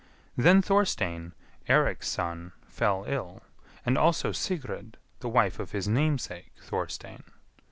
Then Thorstein, Eirik's son, fell ill, and also Sigrid, the wife of his namesake Thorstein.